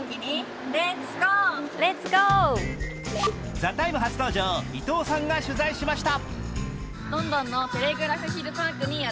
「ＴＨＥＴＩＭＥ，」初登場、伊藤さんが取材しました。